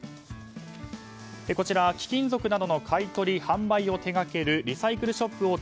こちら、貴金属などの買い取り・販売を手掛けるリサイクルショップ